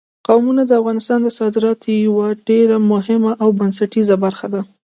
قومونه د افغانستان د صادراتو یوه ډېره مهمه او بنسټیزه برخه ده.